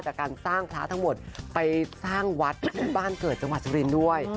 จากการสร้างพระทั้งหมดไปสร้างวัดที่บ้านเกิดจังหวัดสุรินทร์ด้วย